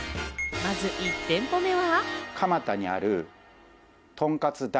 まず１店舗目は。